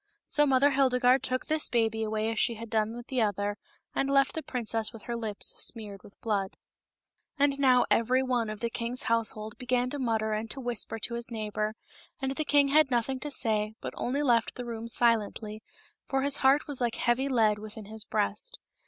So Mother Hildegarde took this baby away as she had done the other, and left the princess with her lips smeared with blood. MOTHER HILDEGARDE. 20I And now every one of the king's household began to mutter and to whisper to his neighbor, and the king had nothing to say, but only left the room silently, for his heart was like heavy lead within his breast.